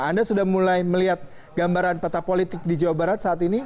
anda sudah mulai melihat gambaran peta politik di jawa barat saat ini